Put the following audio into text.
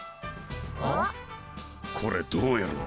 これどうやるんだ？